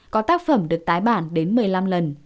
có tác phẩm được tái bản đến một mươi năm lần